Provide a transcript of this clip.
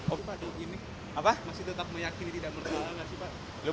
oke pak jadi ini masih tetap meyakini tidak mersalah gak sih pak